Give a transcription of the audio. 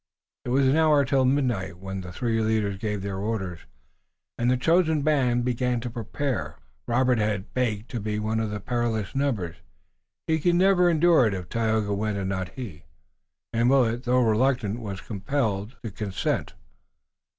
It was an hour till midnight when the three leaders gave their orders and the chosen band began to prepare. Robert had begged to be of the perilous number. He could never endure it if Tayoga went and not he, and Willet, though reluctant, was compelled to consent.